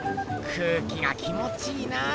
空気が気もちいいな。